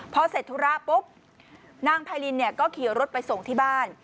พอเสร็จธุรกรรมปุ๊ปนางพายรินก็ขี่รถไปส่งบ้าน